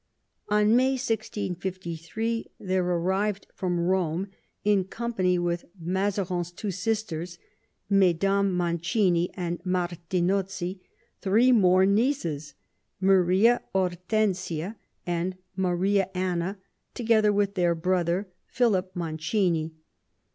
In May 1653 there arrived from Rome, in company with Mazarin's two sisters, Mesdames Mancini and Martinozzi, three more nieces, Maria, Hortensia, and Maria Anna, together with their brother, Philip Mancini.